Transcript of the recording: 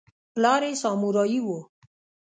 پلار یې سامورايي و.